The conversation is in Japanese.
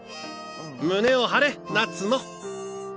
胸を張れ夏野。